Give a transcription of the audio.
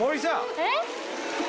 えっ？